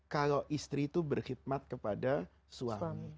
kalau istri itu berkhidmat kepada suami